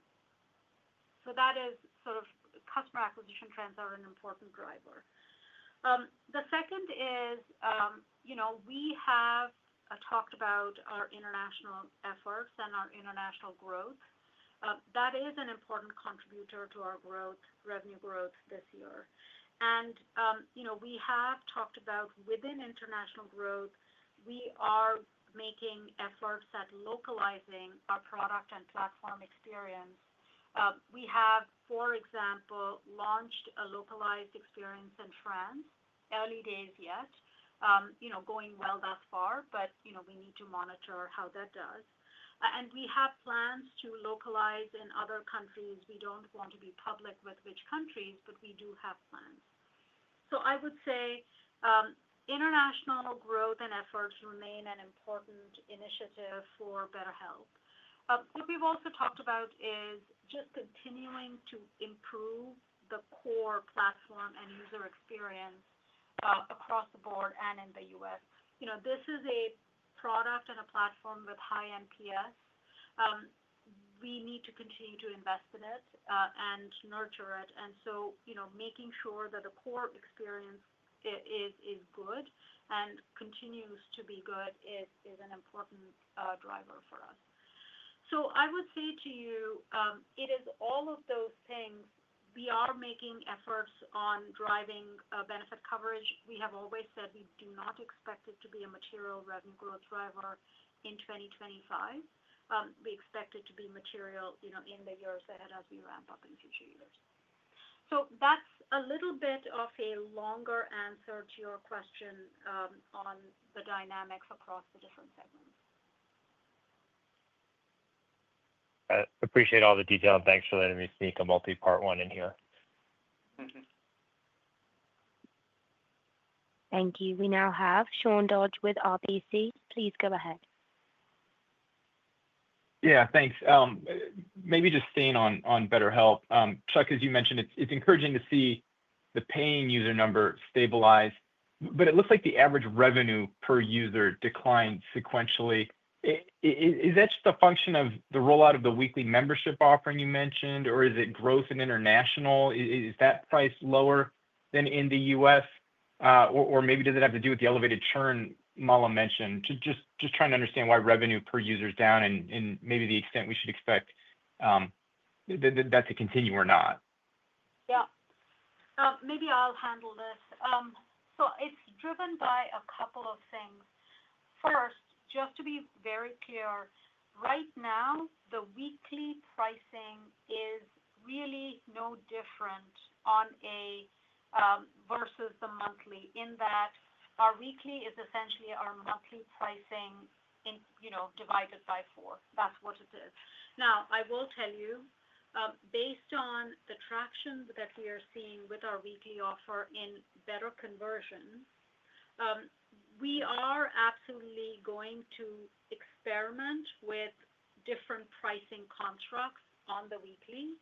[SPEAKER 4] So that is sort of customer acquisition trends are an important driver. The second is we have talked about our international efforts and our international growth. That is an important contributor to our revenue growth this year. And we have talked about within international growth, we are making efforts at localizing our product and platform experience. We have, for example, launched a localized experience in France. Early days yet, going well thus far, but we need to monitor how that does. And we have plans to localize in other countries. We don't want to be public with which countries, but we do have plans. So I would say international growth and efforts remain an important initiative for BetterHelp. What we've also talked about is just continuing to improve the core platform and user experience across the board and in the U.S. This is a product and a platform with high NPS. We need to continue to invest in it and nurture it. And so making sure that the core experience is good and continues to be good is an important driver for us. So I would say to you, it is all of those things. We are making efforts on driving benefit coverage. We have always said we do not expect it to be a material revenue growth driver in 2025. We expect it to be material in the years ahead as we ramp up in future years. So that's a little bit of a longer answer to your question on the dynamics across the different segments.
[SPEAKER 7] Appreciate all the detail. Thanks for letting me sneak a multi-part one in here.
[SPEAKER 1] Thank you. We now have Sean Dodge with RBC. Please go ahead.
[SPEAKER 8] Yeah, thanks. Maybe just staying on BetterHelp. Chuck, as you mentioned, it's encouraging to see the paying user number stabilize, but it looks like the average revenue per user declined sequentially. Is that just a function of the rollout of the weekly membership offering you mentioned, or is it growth in international? Is that price lower than in the U.S.? Or maybe does it have to do with the elevated churn Mala mentioned? Just trying to understand why revenue per user is down and maybe the extent we should expect that to continue or not.
[SPEAKER 1] Yeah. Maybe I'll handle this. So it's driven by a couple of things. First, just to be very clear, right now, the weekly pricing is really no different versus the monthly in that our weekly is essentially our monthly pricing divided by four. That's what it is. Now, I will tell you, based on the traction that we are seeing with our weekly offer in better conversion, we are absolutely going to experiment with different pricing contracts on the weekly.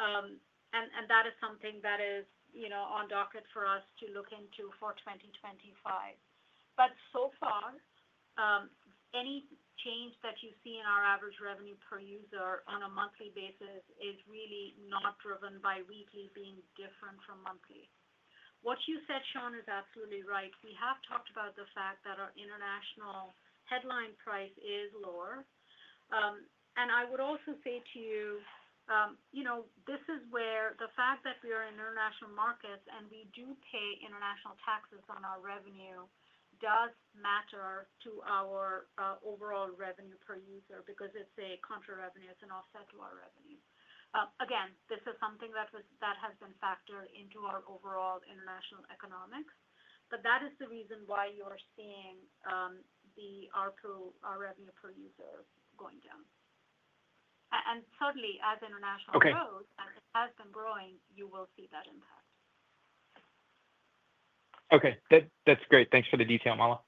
[SPEAKER 1] And that is something that is on docket for us to look into for 2025. But so far, any change that you see in our average revenue per user on a monthly basis is really not driven by weekly being different from monthly. What you said, Sean, is absolutely right. We have talked about the fact that our international headline price is lower, and I would also say to you, this is where the fact that we are in international markets and we do pay international taxes on our revenue does matter to our overall revenue per user because it's a contra revenue. It's an offset to our revenue. Again, this is something that has been factored into our overall international economics, but that is the reason why you are seeing our revenue per user going down, and certainly, as international grows, as it has been growing, you will see that impact.
[SPEAKER 8] Okay. That's great. Thanks for the detail,
[SPEAKER 1] Mala.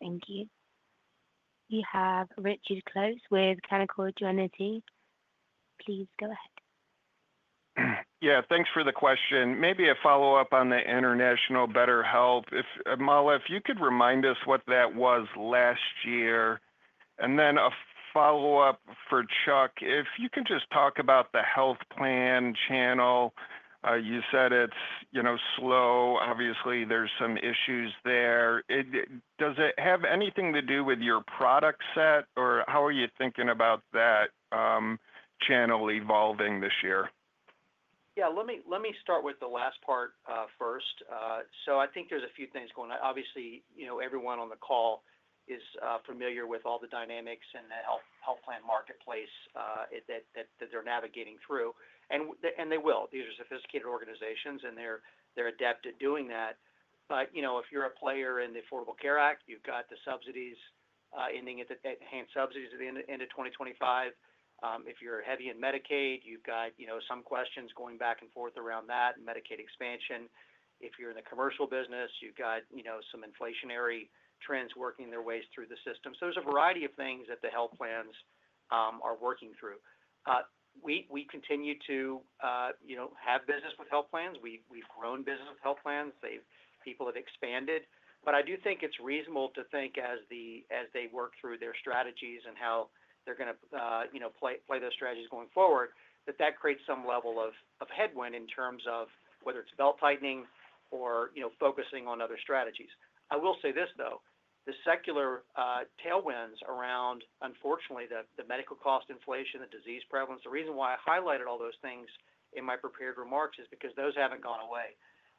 [SPEAKER 1] Thank you. We have Richard Close with Canaccord Genuity. Please go ahead.
[SPEAKER 9] Yeah. Thanks for the question. Maybe a follow-up on the international BetterHelp. Mala, if you could remind us what that was last year, and then a follow-up for Chuck. If you can just talk about the health plan channel. You said it's slow. Obviously, there's some issues there. Does it have anything to do with your product set? Or how are you thinking about that channel evolving this year?
[SPEAKER 3] Yeah. Let me start with the last part first, so I think there's a few things going on. Obviously, everyone on the call is familiar with all the dynamics in the health plan marketplace that they're navigating through, and they will. These are sophisticated organizations, and they're adept at doing that, but if you're a player in the Affordable Care Act, you've got the subsidies ending, enhanced subsidies at the end of 2025. If you're heavy in Medicaid, you've got some questions going back and forth around that and Medicaid expansion. If you're in the commercial business, you've got some inflationary trends working their way through the system. So there's a variety of things that the health plans are working through. We continue to have business with health plans. We've grown business with health plans. People have expanded. But I do think it's reasonable to think as they work through their strategies and how they're going to play those strategies going forward, that that creates some level of headwind in terms of whether it's belt tightening or focusing on other strategies. I will say this, though. The secular tailwinds around, unfortunately, the medical cost inflation, the disease prevalence, the reason why I highlighted all those things in my prepared remarks is because those haven't gone away.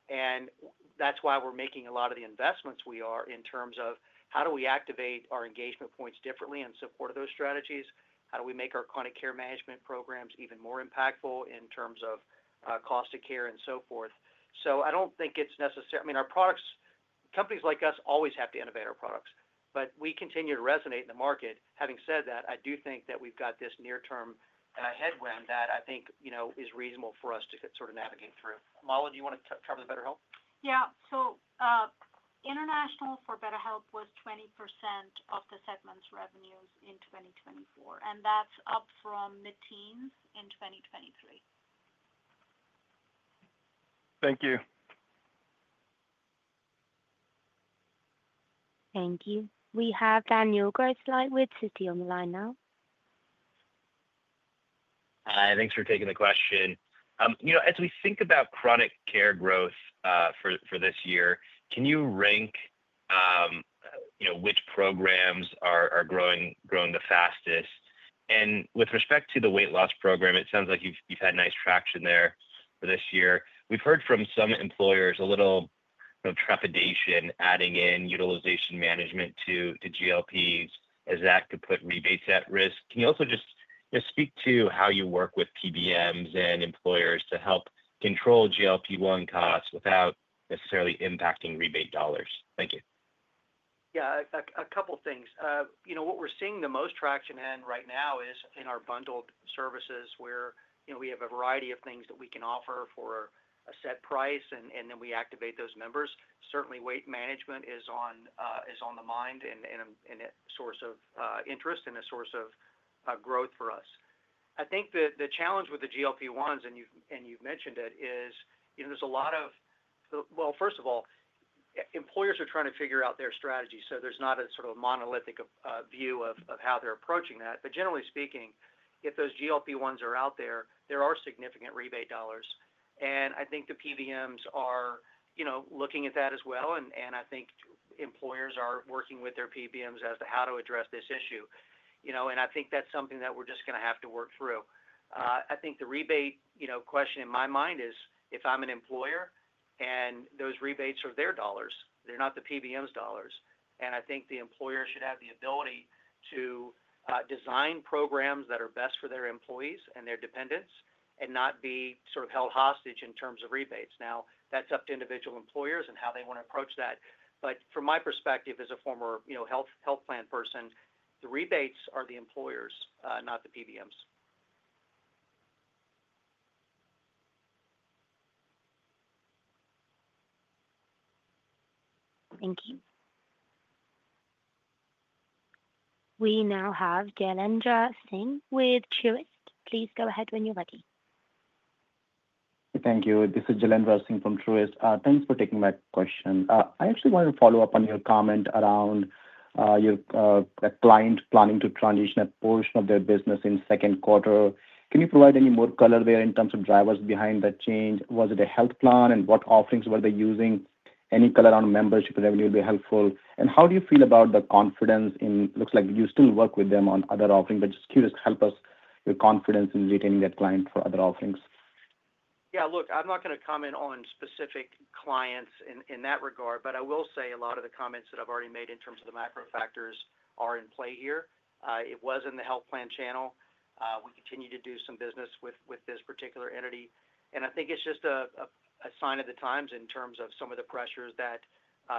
[SPEAKER 3] And that's why we're making a lot of the investments we are in terms of how do we activate our engagement points differently in support of those strategies? How do we make our Chronic Care Management programs even more impactful in terms of cost of care and so forth? So I don't think it's necessary. I mean, our products, companies like us always have to innovate our products. But we continue to resonate in the market. Having said that, I do think that we've got this near-term headwind that I think is reasonable for us to sort of navigate through. Mala, do you want to cover the BetterHelp?
[SPEAKER 4] Yeah. So international for BetterHelp was 20% of the segment's revenues in 2024. And that's up from mid-teens in 2023.
[SPEAKER 9] Thank you.
[SPEAKER 1] Thank you. We have Daniel Grosslight with Citi on the line now.
[SPEAKER 10] Hi. Thanks for taking the question. As we think about chronic care growth for this year, can you rank which programs are growing the fastest? And with respect to the weight loss program, it sounds like you've had nice traction there for this year. We've heard from some employers a little trepidation adding in utilization management to GLPs as that could put rebates at risk. Can you also just speak to how you work with PBMs and employers to help control GLP-1 costs without necessarily impacting rebate dollars? Thank you.
[SPEAKER 3] Yeah. A couple of things. What we're seeing the most traction in right now is in our bundled services where we have a variety of things that we can offer for a set price, and then we activate those members. Certainly, weight management is on the mind and a source of interest and a source of growth for us. I think the challenge with the GLP-1s, and you've mentioned it, is there's a lot of, well, first of all, employers are trying to figure out their strategy. So there's not a sort of monolithic view of how they're approaching that. But generally speaking, if those GLP-1s are out there, there are significant rebate dollars. And I think the PBMs are looking at that as well. And I think employers are working with their PBMs as to how to address this issue. And I think that's something that we're just going to have to work through. I think the rebate question in my mind is, if I'm an employer and those rebates are their dollars, they're not the PBMs' dollars. I think the employer should have the ability to design programs that are best for their employees and their dependents and not be sort of held hostage in terms of rebates. Now, that's up to individual employers and how they want to approach that. But from my perspective as a former health plan person, the rebates are the employers, not the PBMs.
[SPEAKER 1] Thank you. We now have Jailendra Singh with Truist. Please go ahead when you're ready.
[SPEAKER 11] Thank you. This is Jailendra Singh from Truist. Thanks for taking my question. I actually wanted to follow up on your comment around your client planning to transition a portion of their business in second quarter. Can you provide any more color there in terms of drivers behind that change? Was it a health plan, and what offerings were they using? Any color on membership revenue would be helpful. And how do you feel about the confidence in it looks like you still work with them on other offerings, but just curious to help us with confidence in retaining that client for other offerings?
[SPEAKER 3] Yeah. Look, I'm not going to comment on specific clients in that regard, but I will say a lot of the comments that I've already made in terms of the macro factors are in play here. It was in the health plan channel. We continue to do some business with this particular entity. And I think it's just a sign of the times in terms of some of the pressures that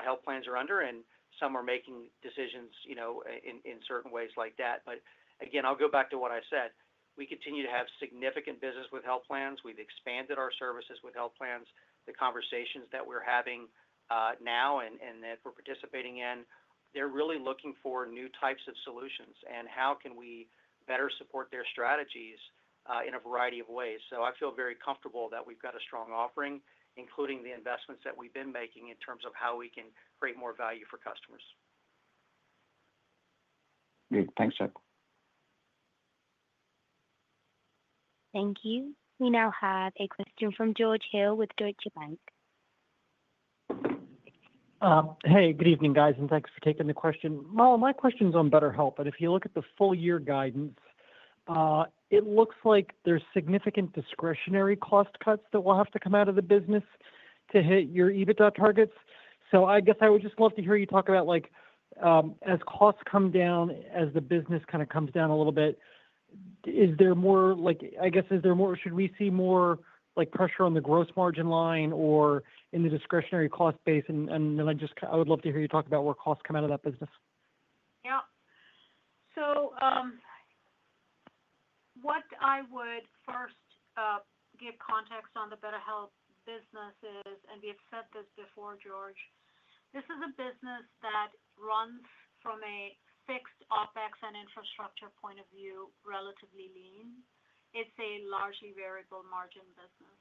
[SPEAKER 3] health plans are under, and some are making decisions in certain ways like that. But again, I'll go back to what I said. We continue to have significant business with health plans. We've expanded our services with health plans. The conversations that we're having now and that we're participating in, they're really looking for new types of solutions and how can we better support their strategies in a variety of ways. So I feel very comfortable that we've got a strong offering, including the investments that we've been making in terms of how we can create more value for customers.
[SPEAKER 11] Great. Thanks, Chuck.
[SPEAKER 1] Thank you. We now have a question from George Hill with Deutsche Bank.
[SPEAKER 12] Hey, good evening, guys, and thanks for taking the question. Mala, my question's on BetterHelp. But if you look at the full-year guidance, it looks like there's significant discretionary cost cuts that will have to come out of the business to hit your EBITDA targets. So, I guess I would just love to hear you talk about, as costs come down, as the business kind of comes down a little bit, is there more, I guess, should we see more pressure on the gross margin line or in the discretionary cost base? And then I would love to hear you talk about where costs come out of that business.
[SPEAKER 4] Yeah. So what I would first give context on the BetterHelp business is, and we have said this before, George, this is a business that runs from a fixed OpEx and infrastructure point of view relatively lean. It is a largely variable margin business.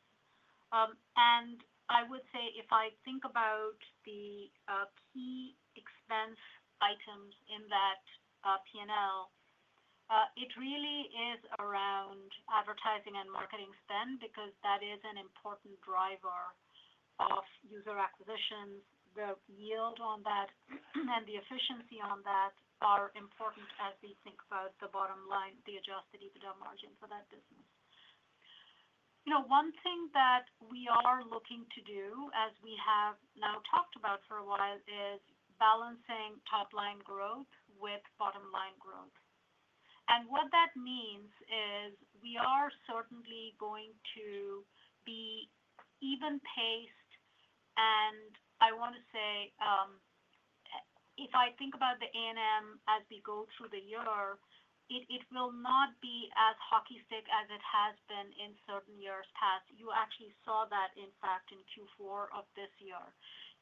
[SPEAKER 4] And I would say if I think about the key expense items in that P&L, it really is around advertising and marketing spend because that is an important driver of user acquisitions. The yield on that and the efficiency on that are important as we think about the bottom line, the Adjusted EBITDA margin for that business. One thing that we are looking to do, as we have now talked about for a while, is balancing top-line growth with bottom-line growth. And what that means is we are certainly going to be even-paced. And I want to say, if I think about the A&M as we go through the year, it will not be as hockey stick as it has been in certain years past. You actually saw that, in fact, in Q4 of this year.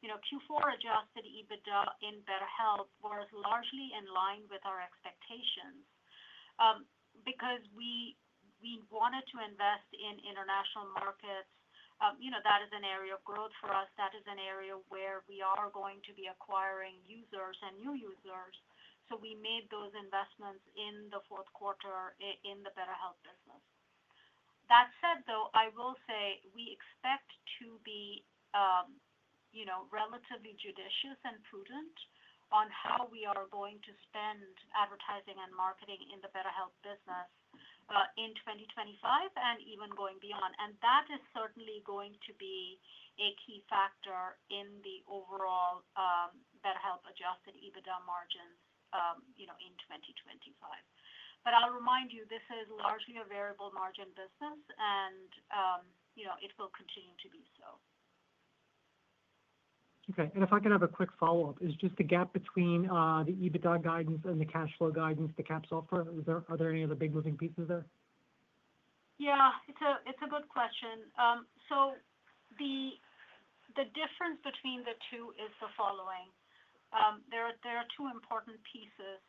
[SPEAKER 4] Q4 Adjusted EBITDA in BetterHelp was largely in line with our expectations because we wanted to invest in international markets. That is an area of growth for us. That is an area where we are going to be acquiring users and new users. We made those investments in the fourth quarter in the BetterHelp business. That said, though, I will say we expect to be relatively judicious and prudent on how we are going to spend advertising and marketing in the BetterHelp business in 2025 and even going beyond. And that is certainly going to be a key factor in the overall BetterHelp Adjusted EBITDA margins in 2025. But I'll remind you, this is largely a variable margin business, and it will continue to be so.
[SPEAKER 12] Okay. And if I can have a quick follow-up, it's just the gap between the EBITDA guidance and the cash flow guidance, the CapEx so far, are there any other big moving pieces there?
[SPEAKER 4] Yeah. It's a good question. So the difference between the two is the following. There are two important pieces.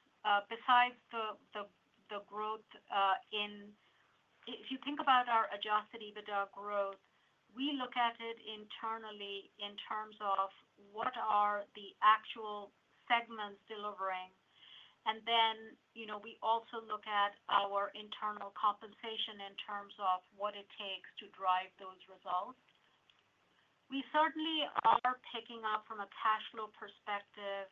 [SPEAKER 4] Besides the growth in, if you think about our Adjusted EBITDA growth, we look at it internally in terms of what are the actual segments delivering. And then we also look at our internal compensation in terms of what it takes to drive those results. We certainly are picking up from a cash flow perspective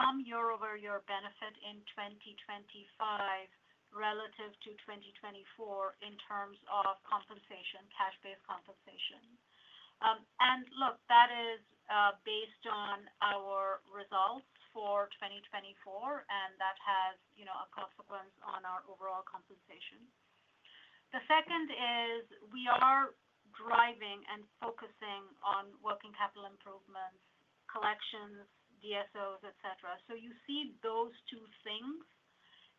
[SPEAKER 4] some year-over-year benefit in 2025 relative to 2024 in terms of compensation, cash-based compensation. And look, that is based on our results for 2024, and that has a consequence on our overall compensation. The second is we are driving and focusing on working capital improvements, collections, DSOs, etc. So you see those two things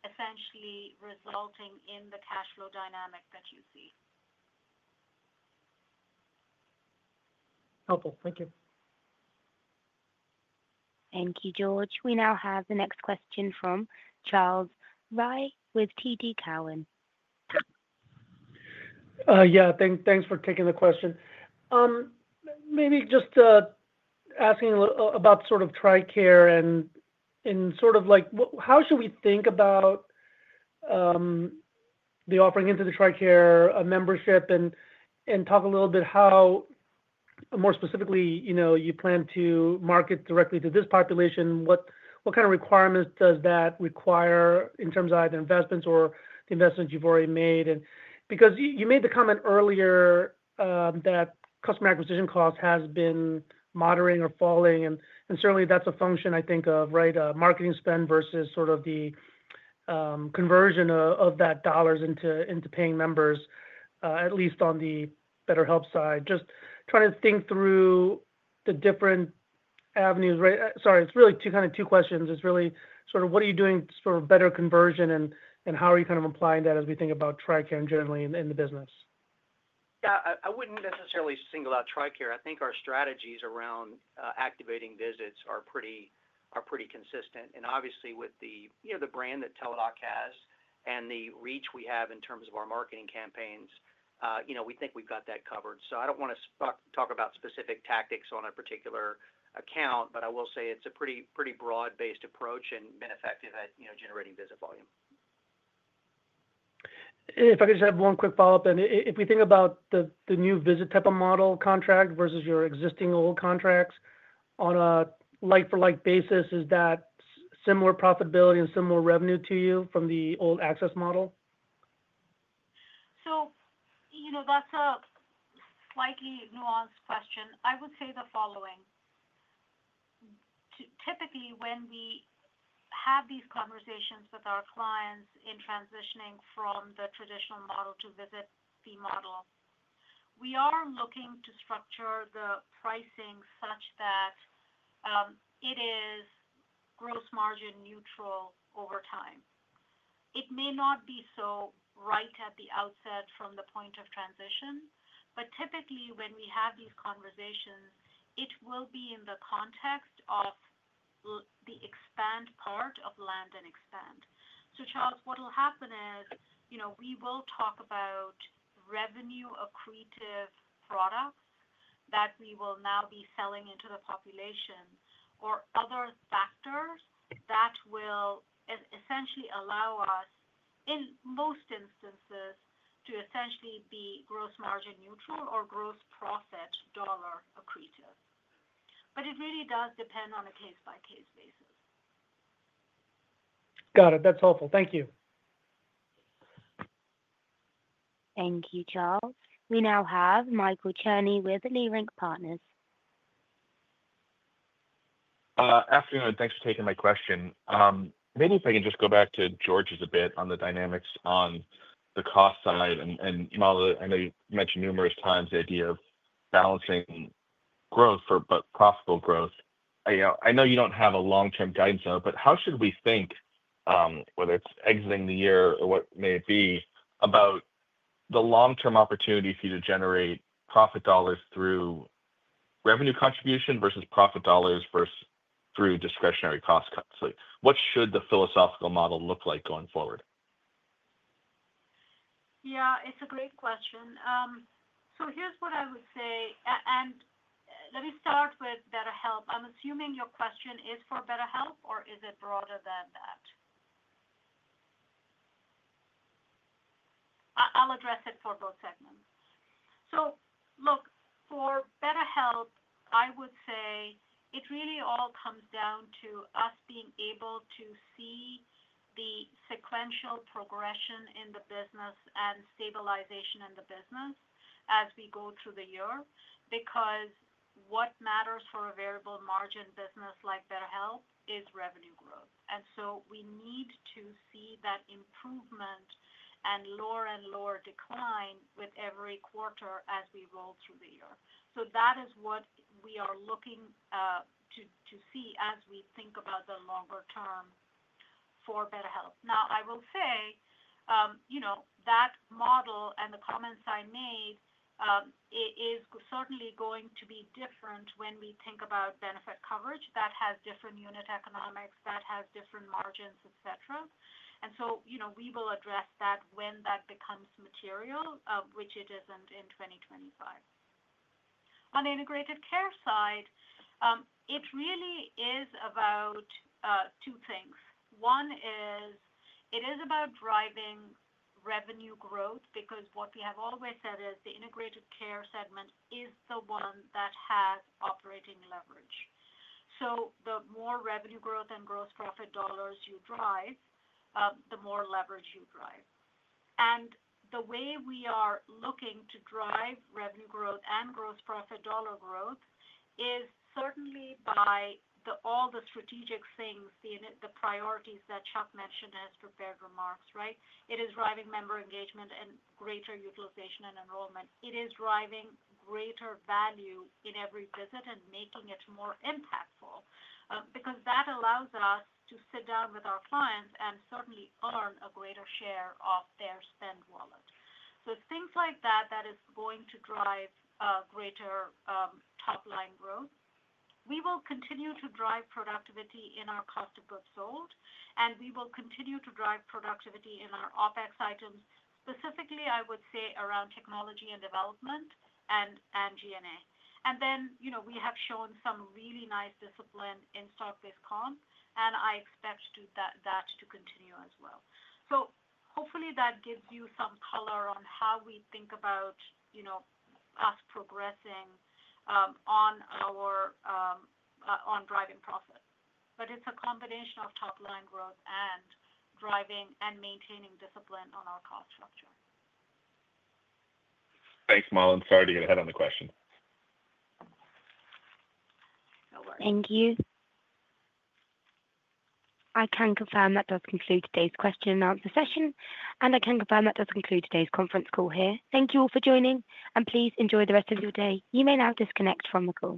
[SPEAKER 4] essentially resulting in the cash flow dynamic that you see.
[SPEAKER 12] Helpful. Thank you.
[SPEAKER 1] Thank you, George. We now have the next question from Charles Rhyee with TD Cowen.
[SPEAKER 13] Yeah. Thanks for taking the question. Maybe just asking about sort of TRICARE and sort of how should we think about the offering into the TRICARE membership and talk a little bit how, more specifically, you plan to market directly to this population. What kind of requirements does that require in terms of either investments or the investments you've already made? And because you made the comment earlier that customer acquisition cost has been moderating or falling, and certainly that's a function, I think, of, right, marketing spend versus sort of the conversion of that dollars into paying members, at least on the BetterHelp side. Just trying to think through the different avenues, right? Sorry, it's really kind of two questions. It's really sort of what are you doing for better conversion, and how are you kind of applying that as we think about TRICARE generally in the business?
[SPEAKER 3] Yeah. I wouldn't necessarily single out TRICARE. I think our strategies around activating visits are pretty consistent, and obviously, with the brand that Teladoc has and the reach we have in terms of our marketing campaigns, we think we've got that covered, so I don't want to talk about specific tactics on a particular account, but I will say it's a pretty broad-based approach and been effective at generating visit volume.
[SPEAKER 13] If I could just have one quick follow-up. If we think about the new visit type of model contract versus your existing old contracts on a like-for-like basis, is that similar profitability and similar revenue to you from the old access model?
[SPEAKER 4] So that's a slightly nuanced question. I would say the following. Typically, when we have these conversations with our clients in transitioning from the traditional model to visit fee model, we are looking to structure the pricing such that it is gross margin neutral over time. It may not be so right at the outset from the point of transition, but typically, when we have these conversations, it will be in the context of the expand part of land and expand. So Charles, what will happen is we will talk about revenue-accretive products that we will now be selling into the population or other factors that will essentially allow us, in most instances, to essentially be gross margin neutral or gross profit dollar accretive. But it really does depend on a case-by-case basis.
[SPEAKER 13] Got it. That's helpful. Thank you.
[SPEAKER 1] Thank you, Charles. We now have Michael Cherney with Leerink Partners.
[SPEAKER 14] Afternoon. Thanks for taking my question. Maybe if I can just go back to George's a bit on the dynamics on the cost side. And Mala, I know you mentioned numerous times the idea of balancing growth for profitable growth. I know you don't have a long-term guidance on it, but how should we think, whether it's exiting the year or what may it be, about the long-term opportunity for you to generate profit dollars through revenue contribution versus profit dollars through discretionary cost cuts? What should the philosophical model look like going forward?
[SPEAKER 4] Yeah. It's a great question. So here's what I would say. And let me start with BetterHelp. I'm assuming your question is for BetterHelp, or is it broader than that? I'll address it for both segments. So look, for BetterHelp, I would say it really all comes down to us being able to see the sequential progression in the business and stabilization in the business as we go through the year because what matters for a variable margin business like BetterHelp is revenue growth. And so we need to see that improvement and lower and lower decline with every quarter as we roll through the year. So that is what we are looking to see as we think about the longer term for BetterHelp. Now, I will say that model and the comments I made is certainly going to be different when we think about benefit coverage that has different unit economics, that has different margins, etc. And so we will address that when that becomes material, which it isn't in 2025. On the Integrated Care side, it really is about two things. One is it is about driving revenue growth because what we have always said is the Integrated Care segment is the one that has operating leverage. So the more revenue growth and gross profit dollars you drive, the more leverage you drive. And the way we are looking to drive revenue growth and gross profit dollar growth is certainly by all the strategic things, the priorities that Chuck mentioned as prepared remarks, right? It is driving member engagement and greater utilization and enrollment. It is driving greater value in every visit and making it more impactful because that allows us to sit down with our clients and certainly earn a greater share of their spend wallet. So things like that that is going to drive greater top-line growth. We will continue to drive productivity in our cost of goods sold, and we will continue to drive productivity in our OpEx items, specifically, I would say, around technology and development and G&A. And then we have shown some really nice discipline in stock-based comp, and I expect that to continue as well. So hopefully, that gives you some color on how we think about us progressing on driving profit. But it's a combination of top-line growth and driving and maintaining discipline on our cost structure.
[SPEAKER 14] Thanks, Mala. I'm sorry to get ahead on the question.
[SPEAKER 4] No worries.
[SPEAKER 1] Thank you. I can confirm that does conclude today's question-and-answer session. And I can confirm that does conclude today's conference call here. Thank you all for joining, and please enjoy the rest of your day. You may now disconnect from the call.